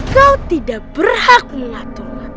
kau tidak berhak mengatakan